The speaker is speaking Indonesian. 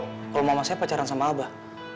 kalau mama saya pacaran sama abah